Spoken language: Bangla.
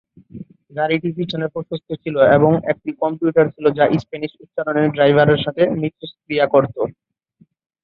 গাড়িটি পিছনে প্রশস্ত ছিল এবং একটি কম্পিউটার ছিল যা স্প্যানিশ উচ্চারণে ড্রাইভারের সাথে মিথস্ক্রিয়া করতো।